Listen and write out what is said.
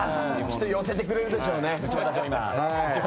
寄せてくれるでしょうね。